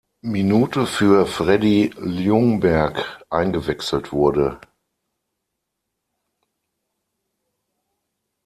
Minute für Freddie Ljungberg eingewechselt wurde.